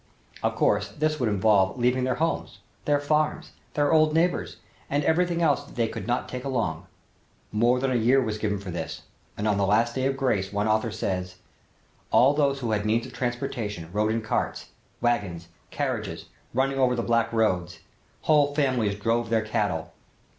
Of course this would involve leaving their homes, their farms, their old neighbors and everything else that they could not take along. More than a year was given for this and on the last day of grace one author says: "All those who had means of transportation rode in carts, wagons, carriages, running over the black roads. Whole families drove their cattle.